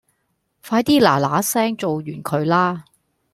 快啲拿拿聲做完佢啦